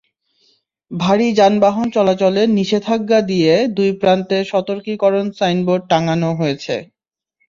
ভারী যানবাহন চলাচলে নিষেধাজ্ঞা দিয়ে দুই প্রান্তে সতর্কীকরণ সাইনবোর্ড টাঙানো হয়েছে।